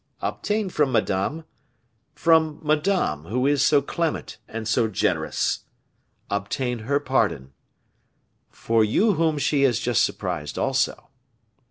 Obtain from Madame from Madame, who is so clement and so generous, obtain her pardon for you whom she has just surprised also.